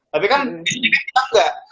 tapi kan di indonesia juga